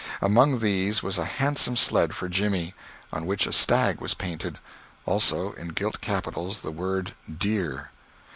Among these was a handsome sled for Jimmy, on which a stag was painted; also, in gilt capitals, the word "Deer."